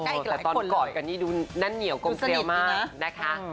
แต่ตอนเกาะกันนี่ดูนั่นเหนียวโกงเซียมากนะคะ